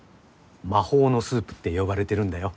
魔法のスープって呼ばれてるんだよ。